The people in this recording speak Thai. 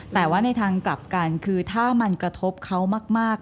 แต่ว่าในทางกลับกันคือถ้ามันกระทบเขามาก